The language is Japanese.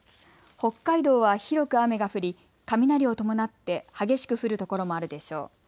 北海道は広く雨が降り雷を伴って激しく降る所もあるでしょう。